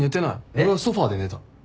俺はソファで寝た。